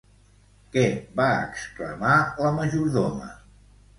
Què va exclamar la majordoma?